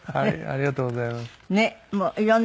ありがとうございます。